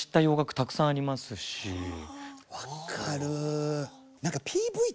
分かる！